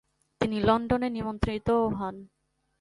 তিনি লন্ডনে নিমন্ত্রিতও হন।